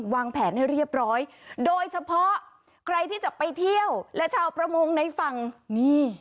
วางแผนให้เรียบร้อยโดยเฉพาะใครที่จะไปเที่ยวและชาวประมงในฝั่งนี่